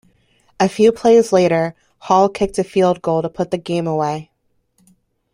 A few plays later, Hall kicked a field goal to put the game away.